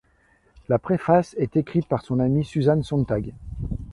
La préface est écrite par son amie Susan Sontag.